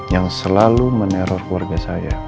yang selalu meneror keluarga saya